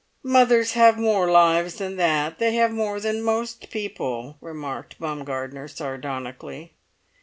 "Mothers have more lives than that; they have more than most people," remarked Baumgartner sardonically.